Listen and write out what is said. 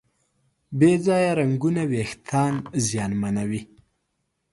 بې ځایه رنګونه وېښتيان زیانمنوي.